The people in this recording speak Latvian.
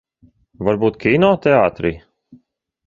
Varbūt kinoteātrī?